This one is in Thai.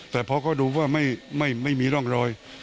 แต่พอเขาดูว่าไม่มีร่องรอย